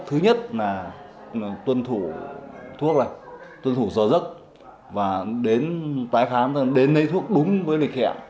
thứ nhất là tuân thủ thuốc này tuân thủ giờ giấc và đến tái khám đến lấy thuốc đúng với lịch hẹn